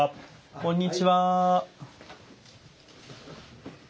こんにちは。